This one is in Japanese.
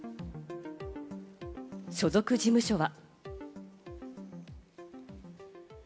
所属事務所は。